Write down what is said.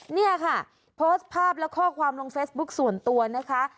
เนี่ยค่ะโพสต์ภาพและข้อความลงเฟซบุ๊คส่วนตัวนะคะ